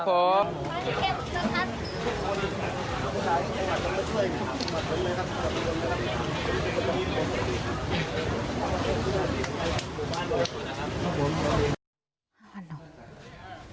ครับผม